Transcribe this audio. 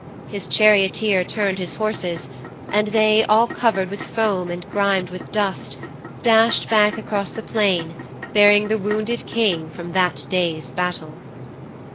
His charioteer turned his horses, and they, all covered with foam and grimed with dust, dashed back across the plain bearing the wounded King from that day's battle.'